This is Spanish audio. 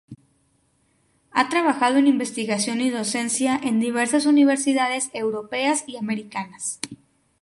Ha trabajado en investigación y docencia en diversas universidades europeas y americanas.